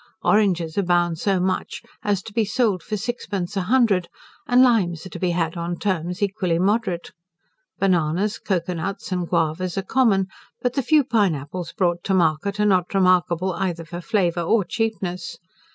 Oranges abound so much, as to be sold for sixpence a hundred; and limes are to be had on terms equally moderate. Bananas, cocoa nuts, and guavas, are common; but the few pineapples brought to market are not remarkable either for flavour, or cheapness.